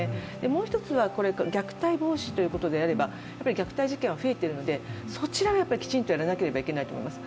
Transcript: もう一つは虐待防止ということであれば、虐待事件は増えているので、そちらをちゃんとやらなければならないと思います。